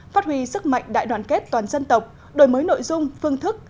phát huy sức mạnh đại đoàn kết toàn dân tộc đổi mới nội dung phương thức